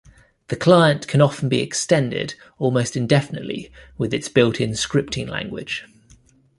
The client can often be extended almost indefinitely with its built-in scripting language.